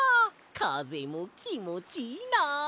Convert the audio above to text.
かぜもきもちいいな。